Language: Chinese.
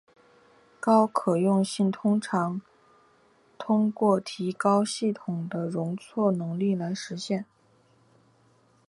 高可用性通常通过提高系统的容错能力来实现。